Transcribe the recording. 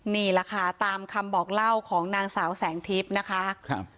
นี่แหละค่ะตามคำบอกเล่าของนางสาวแสงทิพย์นะคะครับ